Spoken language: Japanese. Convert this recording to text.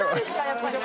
やっぱり。